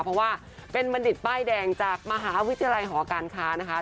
เพราะว่าเป็นบัณฑิตป้ายแดงจากมหาวิทยาลัยหอการค้านะคะ